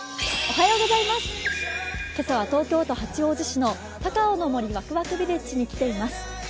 今朝は東京都八王子市の高尾の森わくわくビレッジに来ています。